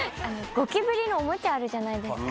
ゴキブリのおもちゃあるじゃないですか。